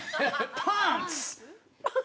パンツ。